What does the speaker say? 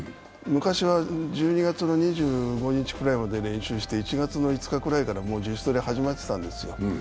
昔は１２月２５日くらいまで練習して１月５日くらいから自主トレが始まってたんですよ。